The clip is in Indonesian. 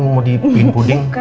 mau dipikirin puding